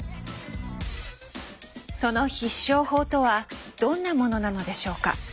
その必勝法とはどんなものなのでしょうか。